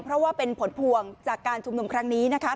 เพราะว่าเป็นผลพวงจากการชุมนุมครั้งนี้นะคะ